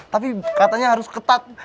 tapi katanya harus ketat